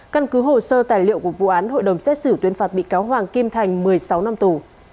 căn cứ hồ sơ tài liệu của vụ án hội đồng xét xử tuyên phạt bị cáo hoàng kim thành một mươi sáu năm tù